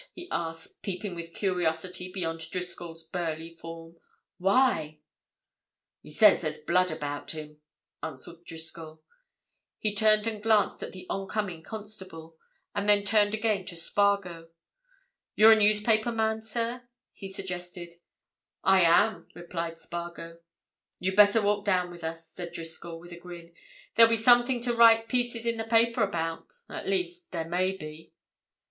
he asked, peeping with curiosity beyond Driscoll's burly form. "Why?" "He says there's blood about him," answered Driscoll. He turned and glanced at the oncoming constable, and then turned again to Spargo. "You're a newspaper man, sir?" he suggested. "I am," replied Spargo. "You'd better walk down with us," said Driscoll, with a grin. "There'll be something to write pieces in the paper about. At least, there may be."